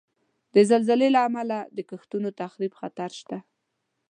د زلزلې له امله د کښتونو د تخریب خطر شته.